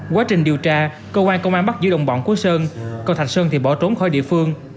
quá trình điều tra cơ quan công an bắt giữ đồng bọn của sơn còn thạch sơn thì bỏ trốn khỏi địa phương